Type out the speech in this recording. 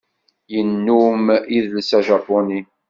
Yennum idles ajapuni.